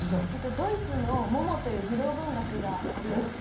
ドイツの『モモ』という児童文学がありまして。